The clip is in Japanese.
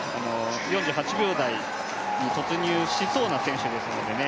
４８秒台に突入しそうな選手ですのでね